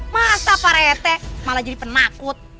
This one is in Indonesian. masa pak rete malah jadi penakut